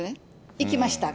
行きました。